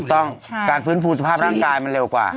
ถูกต้องการฟื้นฟูสภาพร่างกายมันเร็วกว่า